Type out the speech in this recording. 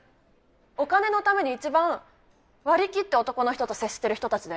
お金のためにいちばん割り切って男の人と接してる人たちだよ？